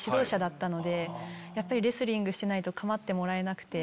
やっぱりレスリングしてないと構ってもらえなくて。